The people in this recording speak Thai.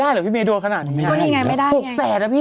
ถูกไม่ได้